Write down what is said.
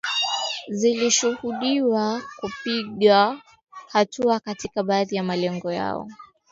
zilishuhudiwa zikipiga hatua katika baadhi ya malengo